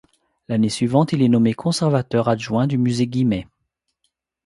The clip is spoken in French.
L'année suivante, il est nommé conservateur adjoint du Musée Guimet.